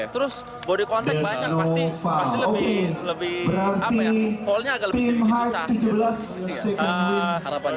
terus body contact banyak pasti lebih lebih apa ya callnya agak lebih sedikit susah harapannya